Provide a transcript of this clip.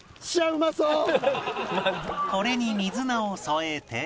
これに水菜を添えて